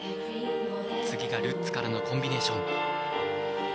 次がルッツからのコンビネーション。